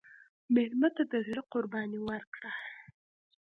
مېلمه ته د زړه قرباني ورکړه.